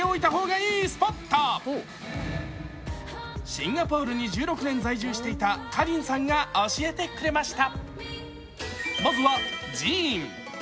シンガポールに１６年在住していたかりんさんが教えてくれました。